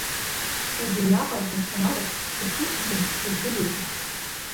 Убриаҟарақәа саналаԥш, сыԥсыр бзиан, са сзы еиӷьын…